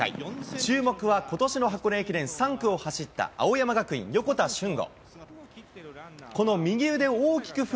注目はことしの箱根駅伝３区を走った青山学院、横田俊吾。